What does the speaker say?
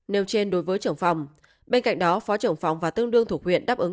nêu trên đối với trưởng phòng bên cạnh đó phó trưởng phòng và tương đương thủ huyện đáp ứng